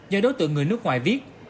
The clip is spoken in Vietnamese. do đối tượng người nước